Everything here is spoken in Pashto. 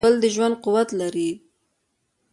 ګل د ژوند قوت لري.